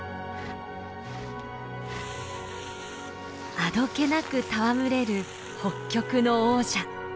あどけなく戯れる北極の王者。